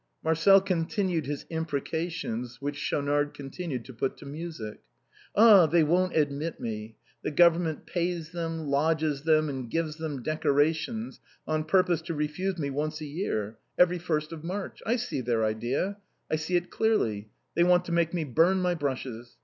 " Marcel continued his imprecations, which Schaunard continued to put to music. "Ah, they won't admit me ! The government pays them, lodges them, and gives them decorations, on purpose to refuse me once a year ; every first of March ! I see their idea ! I see it clearly ! They want to make me burn my brushes.